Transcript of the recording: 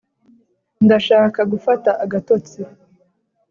ndashaka gufata agatotsi